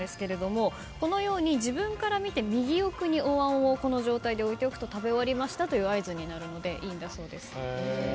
このように自分から見て右奥にお椀をこの状態で置いておくと食べ終わったという合図になるのでいいんだそうです。